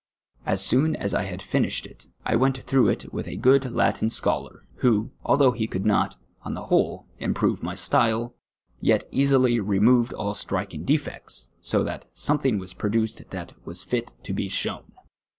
As soon as I had finished it, I went through it with a good Latin scholar, who, although he could not, on the whole, improve my style, yet easily re moved all striking defects, so that something was produced that was fit t(j be sho^^^l.